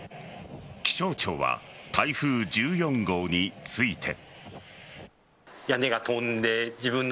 気象庁は台風１４号について。